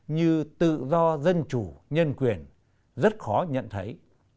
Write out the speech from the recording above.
như tự do dân chủ nhân quyền rất khó nhận thấy